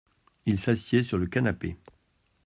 Il s’assied sur le canapé.